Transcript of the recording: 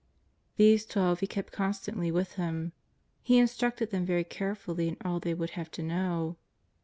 These Twelve He kept constantly with Him. He instructed them very carefully in all they would have to know.